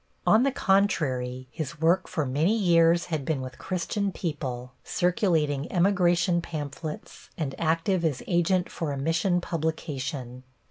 On the contrary, his work for many years had been with Christian people, circulating emigration pamphlets and active as agent for a mission publication.